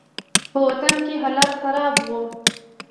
په وطن کښې حالات خراب وو.